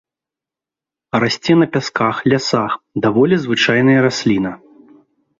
Расце на пясках, лясах, даволі звычайная расліна.